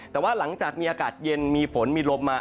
แต่ว่าหลังจากมีอากาศเย็นมีฝนมีลมมา